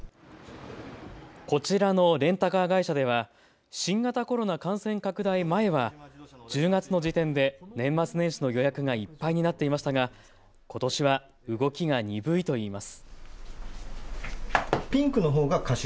こちらのレンタカー会社では新型コロナ感染拡大前は１０月の時点で年末年始の予約がいっぱいになっていましたがことしは動きが鈍いといいます。